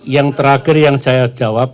yang terakhir yang saya jawab